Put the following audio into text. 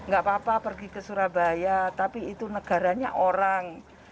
gak apa apa pergi ke surabaya tapi itu negaranya orang